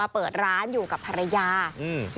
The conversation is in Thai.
เปิดร้านอยู่กับภรรยาอืม